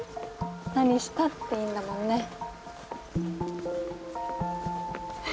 何したっていいんだもんね。